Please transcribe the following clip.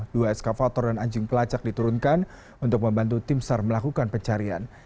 dua eskavator dan anjing pelacak diturunkan untuk membantu tim sar melakukan pencarian